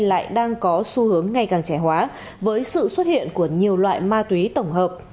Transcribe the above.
ngày hôm nay đang có xu hướng ngày càng trẻ hóa với sự xuất hiện của nhiều loại ma túy tổng hợp